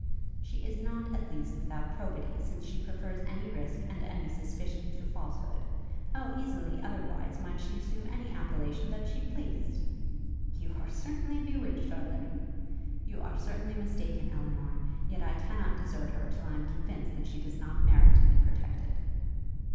'She is not, at least, without probity, since she prefers any risk, and any suspicion, to falsehood. How easily, otherwise, might she assume any appellation that she pleased!' 'You are certainly bewitched, Harleigh!' 'You are certainly mistaken, Elinor! yet I cannot desert her, till I am convinced that she does not merit to be protected.'